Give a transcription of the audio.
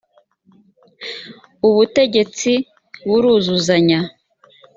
ubutegetsi buruzuzanya.